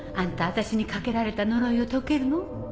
私にかけられた呪いを解けるの？